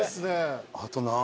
あと何？